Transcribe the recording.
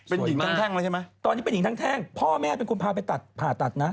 เป็นหญิงทั้งแท่งแล้วใช่ไหมตอนนี้เป็นหญิงทั้งแท่งพ่อแม่เป็นคนพาไปตัดผ่าตัดนะ